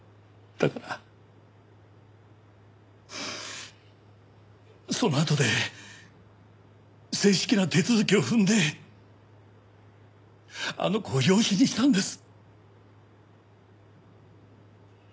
だからそのあとで正式な手続きを踏んであの子を養子にしたんです。